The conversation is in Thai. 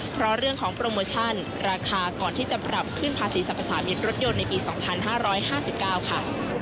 เพราะเรื่องของโปรโมชั่นราคาก่อนที่จะปรับขึ้นภาษีสรรพสามิตรรถยนต์ในปี๒๕๕๙ค่ะ